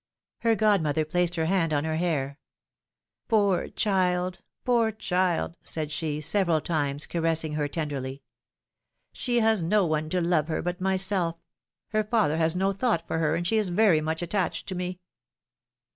Her godmother placed her hand on her hair. ^'Poor child, poor child said she, several times, caressing her tenderly. She has no one to love her but myself; her father has no thought for her, and she is very much attached to me!